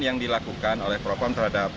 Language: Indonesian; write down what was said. yang dilakukan oleh propam terhadap